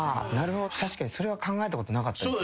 確かにそれは考えたことなかったです。